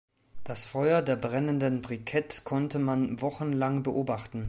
Das Feuer der brennenden Briketts konnte man wochenlang beobachten.